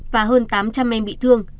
và hơn tám trăm linh em bị thương